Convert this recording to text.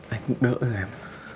anh đỡ em